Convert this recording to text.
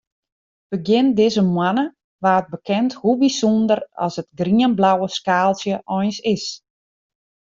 Begjin dizze moanne waard bekend hoe bysûnder as it grienblauwe skaaltsje eins is.